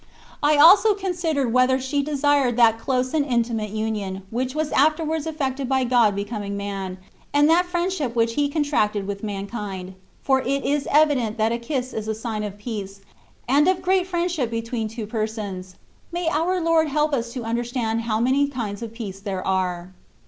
I also considered whether she desired that close and intimate union, which was afterwards eflfected by God becoming man. and that friendship wUch H^ contracted with mankind ; for it is evident that a kiss is a sign of peace, and of great friendship between two persons. May our Lord help us to understand how many kinds of peace there are.